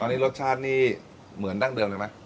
ตอนนี้รสชาตินี่เหมือนดั้งเดิมเลยไหม